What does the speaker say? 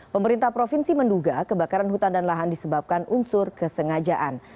pemerintah provinsi menduga kebakaran hutan dan lahan disebabkan unsur kesengajaan